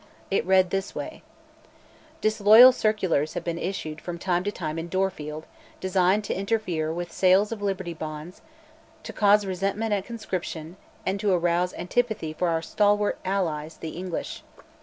It read this way: "Disloyal circulars have been issued from time to time in Dorfield, designed to interfere with sales' of Liberty Bonds, to cause resentment at conscription and to arouse antipathy for our stalwart allies, the English.